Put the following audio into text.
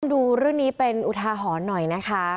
ดูเรื่องนี้เป็นอุทาหรณ์หน่อยนะคะ